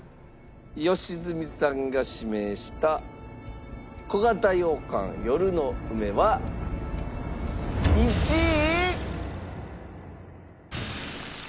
良純さんが指名した小形羊羹夜の梅は１位。